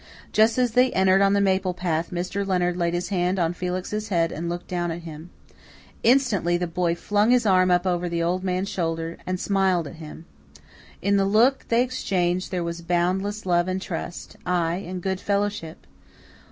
Just as they entered on the maple path Mr. Leonard laid his hand on Felix's head and looked down at him. Instantly the boy flung his arm up over the old man's shoulder and smiled at him. In the look they exchanged there was boundless love and trust ay, and good fellowship.